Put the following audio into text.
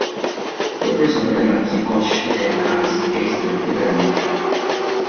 Fue profesor de la Musikhochschule Hanns Eisler de Berlín.